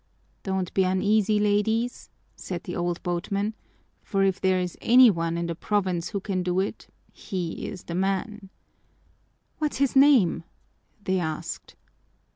"Don't be uneasy, ladies," said the old boatman, "for if there is any one in the province who can do it, he's the man." "What's his name?" they asked.